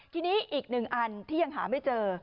ทีนี้อีกหนึ่งอันที่ยังหาไม่เจอ